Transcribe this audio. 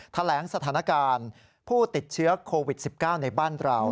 แถลงสถานการณ์ผู้ติดเชื้อโควิด๑๙ในบ้านเรา